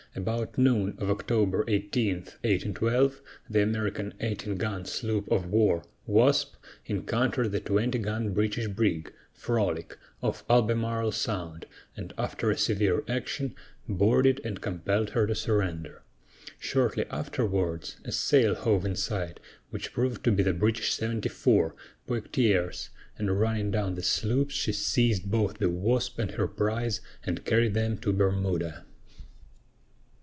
About noon of October 18, 1812, the American 18 gun sloop of war, Wasp, encountered the 20 gun British brig, Frolic, off Albemarle Sound, and, after a severe action, boarded and compelled her to surrender. Shortly afterwards, a sail hove in sight, which proved to be the British 74, Poictiers, and, running down on the sloops, she seized both the Wasp and her prize and carried them to Bermuda.